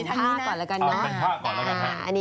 กลุ่มผ้าก่อนละกันนะ